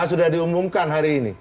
sudah diumumkan hari ini